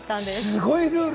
すごいルール。